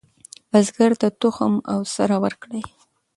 بزګر ته تخم او سره ورکړئ.